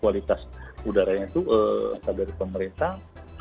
apalagi kalau sudah ada peringatan dari pemerintah